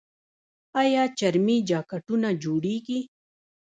آیا چرمي جاکټونه جوړیږي؟